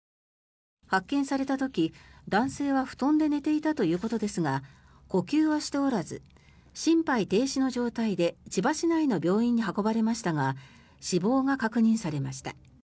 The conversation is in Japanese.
発見された時、男性は布団で寝ていたということですが呼吸はしておらず心肺停止の状態で千葉市内の病院に運ばれましたが死亡が確認されました。